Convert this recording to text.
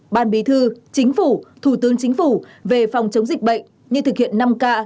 ban bí thư chính phủ thủ tướng chính phủ về phòng chống dịch bệnh như thực hiện năm k